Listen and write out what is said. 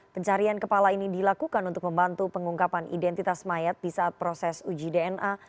pencarian kepala ini dilakukan untuk membantu pengungkapan identitas mayat di saat proses uji dna